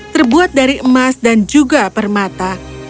terbuat dari emas dan juga permata